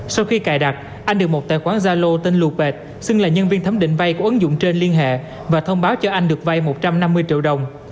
sau khi cài đặt anh được một tài khoản zalo tên lut xưng là nhân viên thấm định vay của ứng dụng trên liên hệ và thông báo cho anh được vay một trăm năm mươi triệu đồng